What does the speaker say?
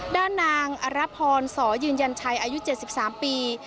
ด้านนางอรพรสอยืนยันชัยอายุ๗๓ปี